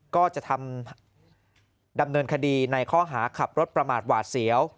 ก็จะทำดำเนินคดีในข้อหาขับรถประมาทหวาดเสียว